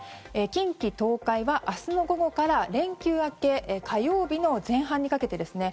近畿・東海は明日の午後から連休明け火曜日の前半にかけてですね。